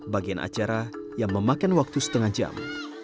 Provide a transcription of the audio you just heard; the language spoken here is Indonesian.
bagian acara yang memakan waktu setengah jam